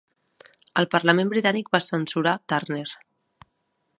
El Parlament britànic va censurar Turner.